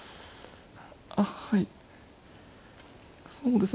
あっはいそうですね